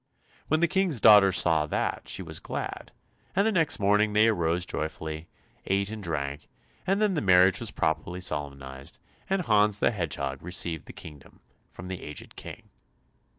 When the King's daughter saw that she was glad, and the next morning they arose joyfully, ate and drank, and then the marriage was properly solemnized, and Hans the Hedgehog received the kingdom from the aged King.